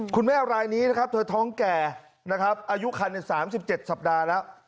รายนี้นะครับเธอท้องแก่นะครับอายุคัน๓๗สัปดาห์แล้ว